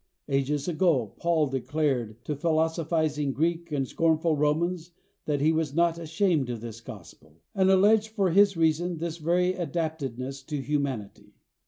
Ages ago, Paul declared to philosophizing Greek and scornful Roman that he was not ashamed of this gospel, and alleged for his reason this very adaptedness to humanity.